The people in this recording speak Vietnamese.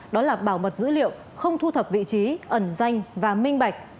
đó là bảo mật dữ liệu không thu thập vị trí ẩn danh và minh bạch